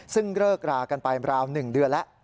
ซึ่งเลิกรากันไปราว๑เดือนแล้ว